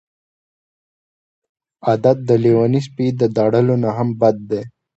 عادت د لیوني سپي د داړلو نه هم بد دی.